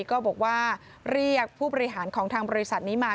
ก็บอกว่าเรียกผู้บริหารของทางบริษัทนี้มา